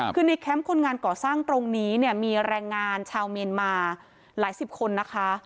คือในแคมป์คนงานก่อสร้างตรงนี้เนี่ยมีแรงงานชาวเมียนมาหลายสิบคนนะคะ